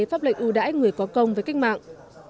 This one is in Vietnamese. pháp lệnh ưu đãi người có công với cách mạng